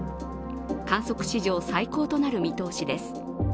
観測史上最高となる見通しです。